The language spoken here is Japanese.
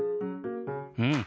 うん。